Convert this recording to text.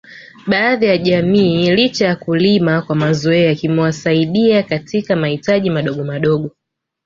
Baadhi ya jamii licha ya kulima kwa mazoea kimewasaidia katika mahitaji madogo madogo